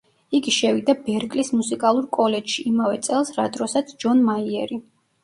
იგი შევიდა ბერკლის მუსიკალურ კოლეჯში, იმავე წელს, რა დროსაც ჯონ მაიერი.